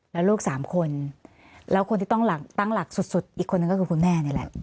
แล้วลูกสามคนแล้วคนที่ต้องตั้งหลักสุดอีกคนนึงก็คือคุณแม่นี่แหละ